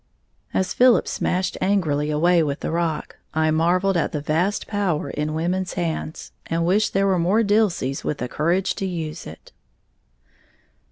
As Philip smashed angrily away with the rock, I marvelled at the vast power in women's hands, and wished there were more Dilseys with the courage to use it.